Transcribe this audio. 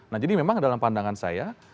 nah jadi memang dalam pandangan saya